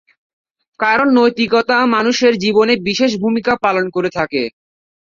কারণ নৈতিকতা মানুষের জীবনে বিশেষ ভূমিকা পালন করে থাকে।